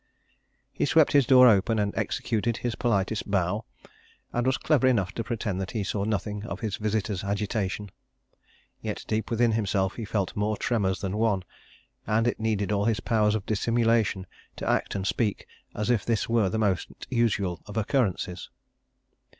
He swept his door open and executed his politest bow and was clever enough to pretend that he saw nothing of his visitor's agitation. Yet deep within himself he felt more tremors than one, and it needed all his powers of dissimulation to act and speak as if this were the most usual of occurrences.